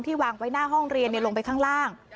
วางไว้หน้าห้องเรียนลงไปข้างล่าง